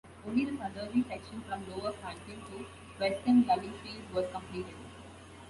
Only the southerly section from Lower Frankton to Weston Lullingfields was completed.